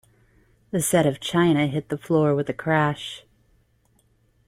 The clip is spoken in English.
The set of china hit the floor with a crash.